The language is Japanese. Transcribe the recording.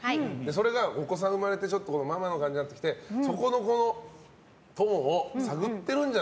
それがお子さん生まれてママの感じになってきてそこのこのトーンを探ってるんじゃないかという。